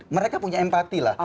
mereka punya empati lah